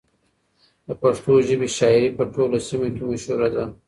د پښتو ژبې شاعري په ټوله سیمه کې مشهوره ده.